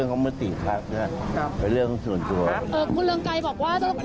นั่นแหละครับขอแทนแล้วครับ